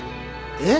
えっ？